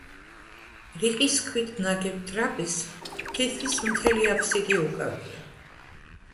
რიყის ქვით ნაგებ ტრაპეზს თითქმის მთელი აბსიდი უკავია.